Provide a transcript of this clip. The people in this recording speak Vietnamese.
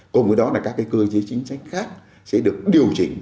cùng với đó là các cơ chế chính sách khác sẽ được điều chỉnh